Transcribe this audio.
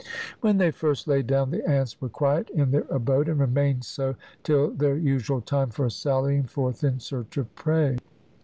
When they first lay down the ants were quiet in their abode, and remained so till their usual time for sallying forth in search of prey.